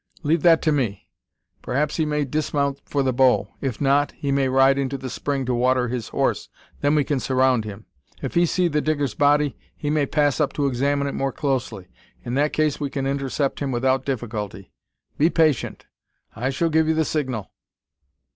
"Leave that to me. Perhaps he may dismount for the bow; or, if not, he may ride into the spring to water his horse, then we can surround him. If he see the Digger's body, he may pass up to examine it more closely. In that case we can intercept him without difficulty. Be patient! I shall give you the signal."